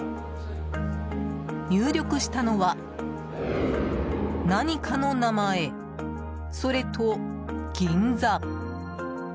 入力したのは何かの名前、それと「銀座」。